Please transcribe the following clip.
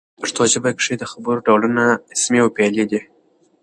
په پښتو ژبه کښي د خبر ډولونه اسمي او فعلي دي.